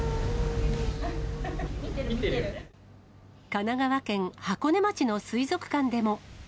神奈川県箱根町の水族館でも。